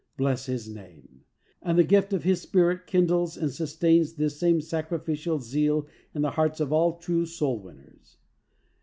Bless His name! And the gift of His Spirit kindles and sus tains this same sacrificial zeal in the hearts of all true soul winners.